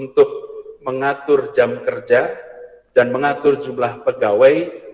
untuk mengatur jam kerja dan mengatur jumlah pegawai